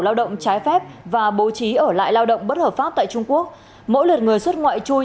lao động trái phép và bố trí ở lại lao động bất hợp pháp tại trung quốc mỗi lượt người xuất ngoại chui